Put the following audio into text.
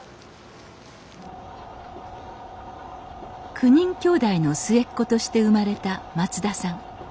９人きょうだいの末っ子として生まれた松田さん。